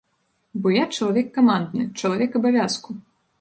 Бо я чалавек камандны, чалавек абавязку.